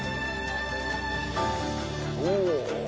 おお！